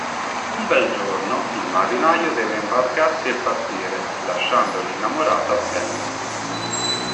Un bel giorno, il marinaio deve imbarcarsi e partire, lasciando l'innamorata a terra.